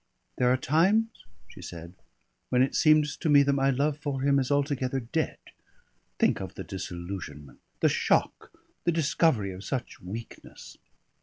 "There are times," she said, "when it seems to me that my love for him is altogether dead.... Think of the disillusionment the shock the discovery of such weakness."